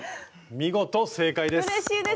見事正解です！